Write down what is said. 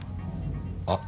あっ。